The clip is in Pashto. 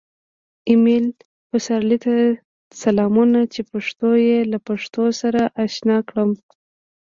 ایمل پسرلي ته سلامونه چې پښتو یې له پښتو سره اشنا کړم